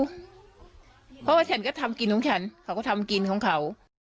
เพราะว่าฉันก็ทำกินของฉันเขาก็ทำกินของเขา